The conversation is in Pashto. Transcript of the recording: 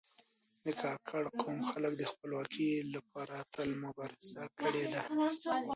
د کاکړ قوم خلک د خپلواکي لپاره تل مبارزه کړې ده.